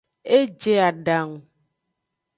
E je adangu.